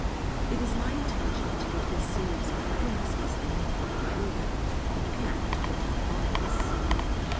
It is my intention to give this series of occurrences in their proper order and without bias.